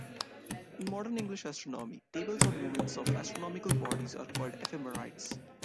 In modern English astronomy, tables of movements of astronomical bodies are called ephemerides.